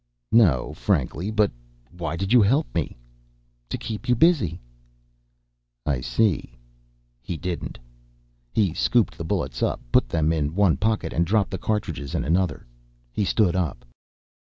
"No, frankly. But why did you help me?" "To keep you busy." "I see." He didn't. He scooped the bullets up, put them in one pocket, and dropped the cartridges in another. He stood up.